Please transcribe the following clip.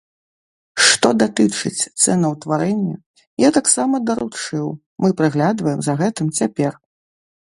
Што датычыць цэнаўтварэння, я таксама даручыў, мы прыглядваем за гэтым цяпер.